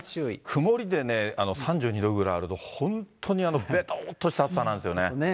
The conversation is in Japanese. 曇りでね、３２度ぐらいあると、本当にべとーっとした暑さなんですよね。